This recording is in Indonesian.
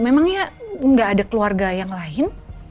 memangnya gak ada keluarga yang lain